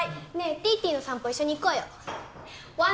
ティティの散歩一緒に行こうよ